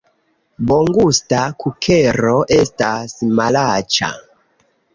Bongusta kukero estas malaĉa